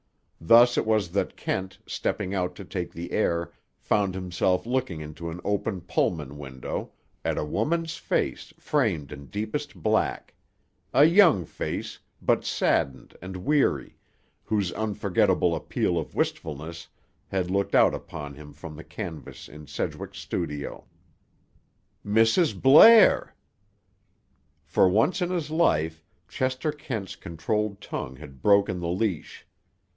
Thus it was that Kent, stepping out to take the air, found himself looking into an open Pullman window, at a woman's face framed in deepest black: a young face, but saddened and weary, whose unforgettable appeal of wistfulness had looked out upon him from the canvas in Sedgwick's studio. "Mrs. Blair!" For once in his life, Chester Kent's controlled tongue had broken the leash.